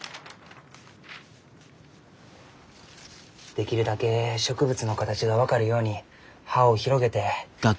できるだけ植物の形が分かるように葉を広げて。